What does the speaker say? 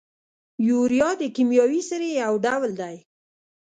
یوریا د کیمیاوي سرې یو ډول دی.